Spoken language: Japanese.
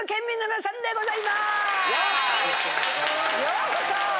ようこそ！